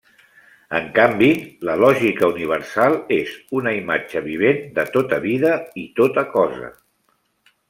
En canvi, la lògica universal és una imatge vivent de tota vida i tota cosa.